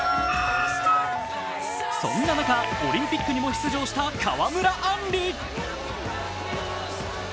そんな中、オリンピックにも出場した川村あんり。